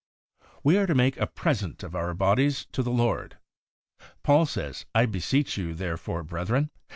We are to make a present of our bodies to the Lord. Paul says, ' I beseech you therefore, brethren